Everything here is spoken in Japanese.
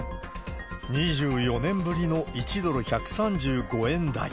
２４年ぶりの１ドル１３５円台。